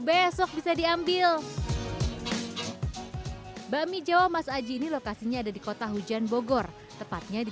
besok bisa diambil bakmi jawa mas aji ini lokasinya ada di kota hujan bogor tepatnya di